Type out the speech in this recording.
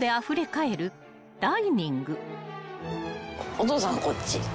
お父さんこっち。